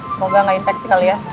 semoga nggak infeksi kali ya